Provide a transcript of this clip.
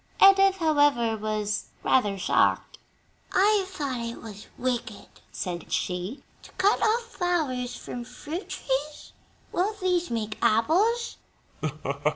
Edith, however, was rather shocked. "I thought it was wicked," said she, "to cut off flowers from fruit trees? Won't these make apples?"